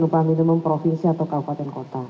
upah minimum provinsi atau kabupaten kota